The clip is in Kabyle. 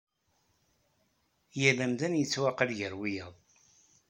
Yal amdan yettwaɛqal gar wiyaḍ.